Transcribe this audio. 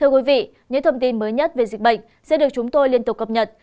xin chào tạm biệt và hẹn gặp lại